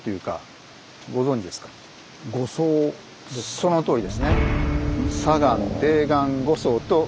そのとおりですね。